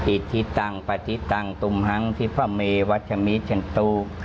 อิทธิตังปะทิตังตุมฮังทิภะเมวัชมิชชันตุ